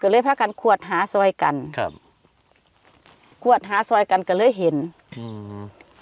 เลยพากันขวดหาซอยกันครับขวดหาซอยกันก็เลยเห็นอืม